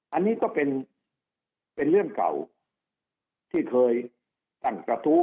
อันนี้ก็เป็นเรื่องเก่าที่เคยตั้งกระทู้